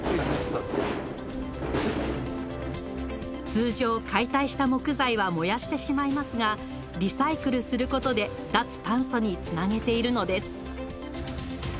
通常解体した木材は燃やしてしまいますがリサイクルすることで脱炭素につなげているのです